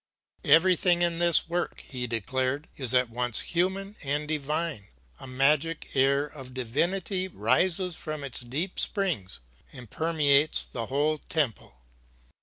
"Everything in this work," he declared, "is at once human and divine; a magic air of divinity rises from its deep springs and permeates the whole temple."